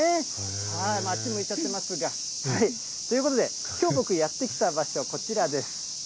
あっち向いちゃってますが。ということで、きょう僕やって来た場所、こちらです。